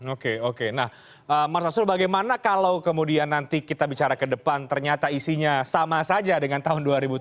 oke oke nah mas arsul bagaimana kalau kemudian nanti kita bicara ke depan ternyata isinya sama saja dengan tahun dua ribu tujuh belas